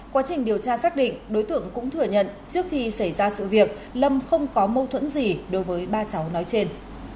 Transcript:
quá trình điều tra xác định đối tượng cũng thừa nhận trước khi xảy ra sự việc lâm không có mâu thuẫn gì đối với ba cháu nói trên